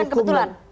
itu bukan kebetulan